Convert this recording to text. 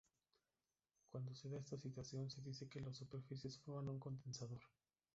Cuando se da esta situación, se dice que las superficies forman un condensador.